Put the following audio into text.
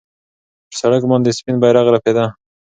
پر سړک باندې سپین بیرغ رپېده.